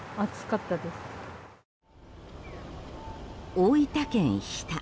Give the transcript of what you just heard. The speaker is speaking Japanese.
大分県日田。